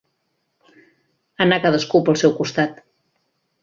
Anar cadascú pel seu costat.